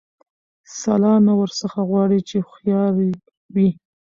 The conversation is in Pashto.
سلا نه ورڅخه غواړي چي هوښیار وي